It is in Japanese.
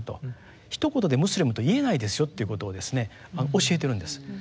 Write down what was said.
ひと言でムスリムと言えないですよっていうことをですね教えてるんです。